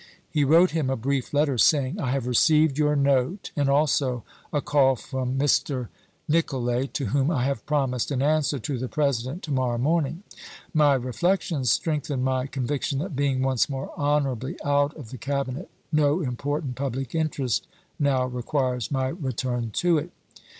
He wrote him a brief letter, saying : I have received your note, and also a call from Mr. Nic olay, to whom I have promised an answer to the President to morrow morning. My reflections strengthen my con viction that being once more honorably out of the Cabinet no important public interest now requires my return to it.